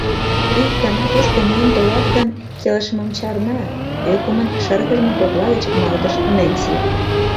— Ик гана тушко миен толат гын, келшымым чарна, — ӧкымын шыргыжме кокла гыч малдыш Ненси.